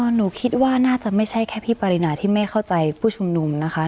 หนูคิดว่าน่าจะไม่ใช่แค่พี่ปรินาที่ไม่เข้าใจผู้ชุมนุมนะคะ